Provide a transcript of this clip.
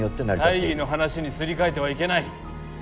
大義の話にすり替えてはいけない。